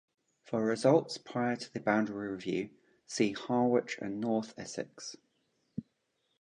"For results prior to the boundary review, see Harwich and North Essex"